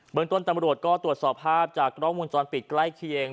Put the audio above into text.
เมืองต้นตำรวจก็ตรวจสอบภาพจากกล้องวงจรปิดใกล้เคียง